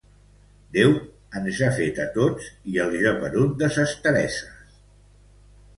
Déu ens ha fet a tots i al geperut de ses Tereses.